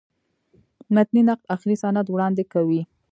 متني نقد آخري سند وړاندي کوي.